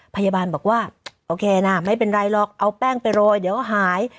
พยาบาลบอกว่าโอเคนะไม่เป็นไรหรอกเอาแป้งไปโรยเดี๋ยวหาย